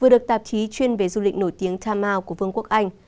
vừa được tạp chí chuyên về du lịch nổi tiếng tha mau của vương quốc anh